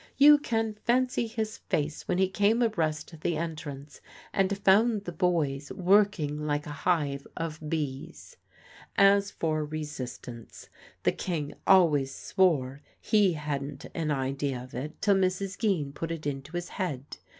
You can fancy his face when he came abreast the entrance and found the boys working like a hive of bees. As for resistance, the King always swore he hadn't an idea of it till Mrs. Geen put it into his head.